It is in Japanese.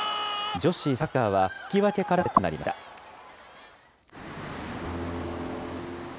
女子サッカーは、引き分けからの船出となりました。